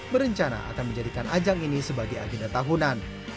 berencana akan menjadikan ajang ini sebagai agenda tahunan